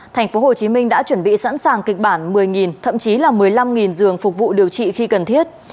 tp hcm đã chuẩn bị sẵn sàng kịch bản một mươi thậm chí là một mươi năm giường phục vụ điều trị khi cần thiết